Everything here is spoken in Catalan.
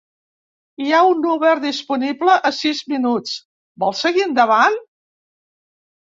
Hi ha un Uber disponible a sis minuts, vols seguir endavant?